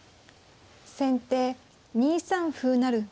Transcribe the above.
先手２三歩成。